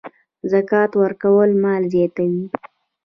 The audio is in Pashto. زکات ورکول مال زیاتوي.